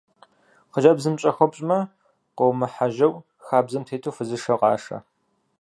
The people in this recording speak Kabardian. Хъыджэбзым пщӏэ хуэпщӏмэ, къыумыхьэжьэу, хабзэм тету фызышэу къашэ.